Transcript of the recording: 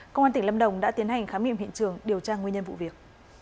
công an tỉnh lâm đồng đã tiến hành khám nghiệm hiện trường điều tra nguyên nhân vụ việc